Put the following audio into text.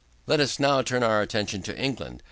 Let us now turn our attention to England.